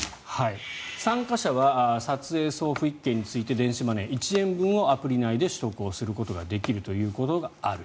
参加者は撮影・送付１件について電子マネー１円分をアプリ内で取得することができるということがある。